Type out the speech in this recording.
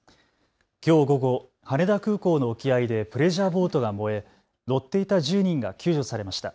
きょう午後、羽田空港の沖合でプレジャーボートが燃え乗っていた１０人が救助されました。